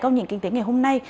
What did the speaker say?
câu nhìn kinh tế ngày hôm nay